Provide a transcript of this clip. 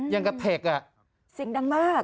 อย่างกับเทคอ่ะเสียงดังมาก